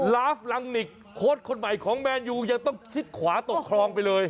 ลาฟลังนิกโค้ดคนใหม่ของแมนยูยังต้องชิดขวาตกคลองไปเลย